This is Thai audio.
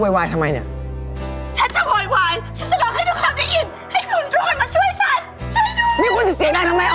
คุณมาทำแบบนี้กับฉันไม่ได้นะ